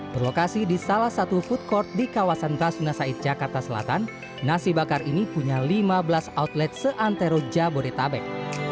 berlokasi di salah satu food court di kawasan rasuna said jakarta selatan nasi bakar ini punya lima belas outlet seantero jabodetabek